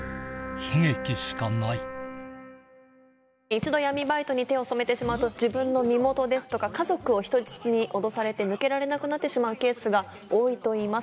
一度闇バイトに手を染めてしまうと自分の身元ですとか家族を人質に脅されて抜けられなくなってしまうケースが多いといいます。